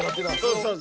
そうそう。